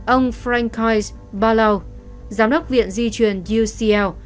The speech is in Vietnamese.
ông frank heuss ballau giám đốc viện di truyền ucl